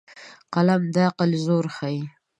قلم د عقل زور ښيي